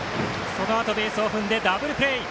そのあとベースを踏んでダブルプレー。